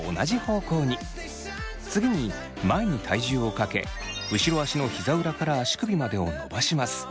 次に前に体重をかけ後ろ足のひざ裏から足首までを伸ばします。